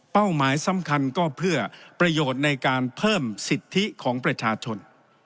หมายสำคัญก็เพื่อประโยชน์ในการเพิ่มสิทธิของประชาชน